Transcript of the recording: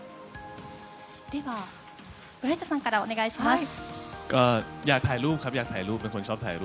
では、ブライトさんからお願いします。